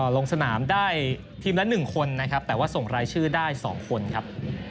ลงสนามได้ทีมละ๑คนนะครับแต่ว่าส่งรายชื่อได้๒คนครับ